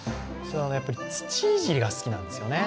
土いじりが好きなんですよね。